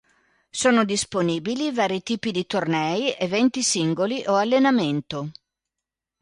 Sono disponibili vari tipi di tornei, eventi singoli o allenamento.